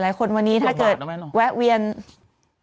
หลายคนวันนี้ถ้าเกิดแวะเวียนต้องบาทนะแม่ลูก